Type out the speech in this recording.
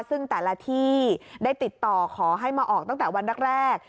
ซึ่งแต่ละที่ได้ติดต่อขอให้มาออกตั้งแต่วันแรก